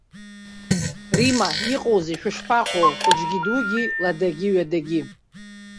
Римма, иҟоузеи, шәышԥаҟақәоу хәыҷгьы-дугьы, ладагьыҩадагьы?